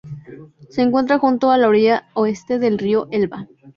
Se encuentra junto a la orilla oeste del río Elba.